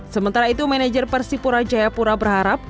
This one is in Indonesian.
sementara itu manajer persipura jayapura berharap